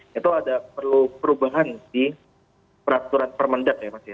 itu ada perlu perubahan di peraturan permendat ya mas